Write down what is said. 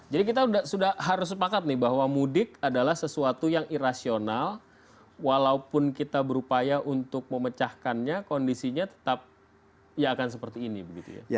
jadi kita sudah harus sepakat nih bahwa mudik adalah sesuatu yang irasional walaupun kita berupaya untuk memecahkannya kondisinya tetap ya akan seperti ini begitu ya